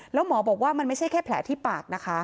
แล้วหมอบอกว่ามันไม่ใช่แค่แผลที่ปากนะคะ